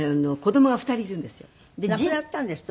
亡くなったんですって？